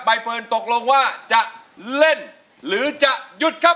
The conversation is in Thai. เฟิร์นตกลงว่าจะเล่นหรือจะหยุดครับ